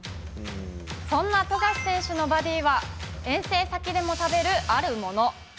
そんな富樫選手のバディは遠征先でも食べるあるもの。